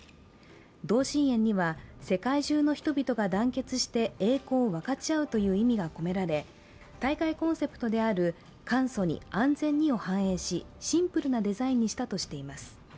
同心円には世界中の人々が団結して栄光を分かち合うという意味が込められ、大会コンセプトである簡素に、安全にを反映しシンプルなデザインにしたとしています。